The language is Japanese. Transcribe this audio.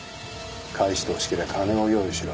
返してほしけりゃ金を用意しろ。